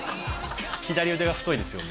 左腕が太いですよ